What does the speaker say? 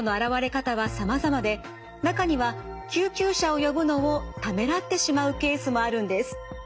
今週は１日目の今日は中には救急車を呼ぶのをためらってしまうケースもあるんです。